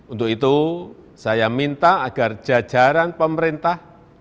untuk itu saya minta agar jajaran pemerintah